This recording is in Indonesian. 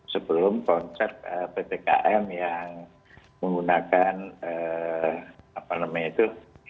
sebelum konsep ppkm yang menggunakan apa namanya itu